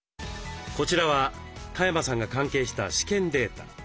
こちらは多山さんが関係した試験データ。